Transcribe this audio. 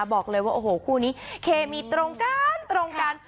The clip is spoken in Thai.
บอกเลยว่าโอ้โหคู่นี้เคมีตรงกันตรงกัน